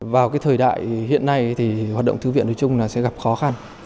vào thời đại hiện nay hoạt động thư viện nói chung là sẽ gặp khó khăn